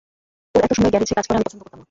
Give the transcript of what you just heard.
ওর এত সময় গ্যারেজে কাজ করা আমি পছন্দ করতাম না।